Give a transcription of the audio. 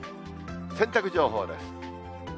洗濯情報です。